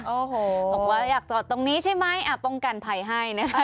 โอ้โหบอกว่าอยากจอดตรงนี้ใช่ไหมป้องกันภัยให้นะคะ